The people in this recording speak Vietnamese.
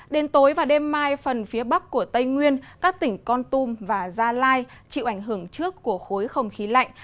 đến tối và đêm mai phần phía bắc của tây nguyên các tỉnh con tum và gia lai chịu ảnh hưởng trước của khối không khí lạnh